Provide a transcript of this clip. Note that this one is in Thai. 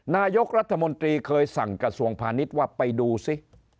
นายกรัฐมนตรีเคยสั่งกระทรวงพาณิชย์ว่าไปดูซิ